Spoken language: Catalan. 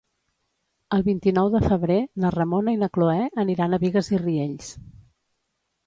El vint-i-nou de febrer na Ramona i na Cloè aniran a Bigues i Riells.